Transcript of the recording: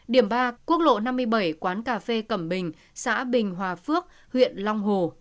điểm ba quốc lộ năm mươi bảy quán cà phê cẩm bình xã bình hòa phước huyện long hồ